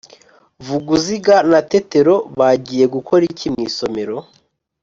Vuguziga na Tetero bagiye gukora iki mu isomero?